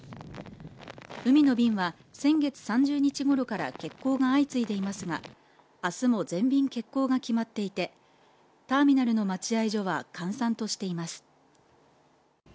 海の便は先月３０日ごろから欠航が相次いでいますが明日も全便欠航が決まっていてターミナルの待合所は閑散としています。